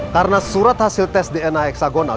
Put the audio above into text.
karena surat hasil tes dna hexagonal